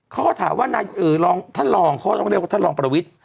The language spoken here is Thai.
เขาก็ถามว่าท่านรองเขาต้องเรียกว่าท่านรองประวิทย์